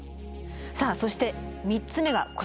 さあそして３つ目がこちら。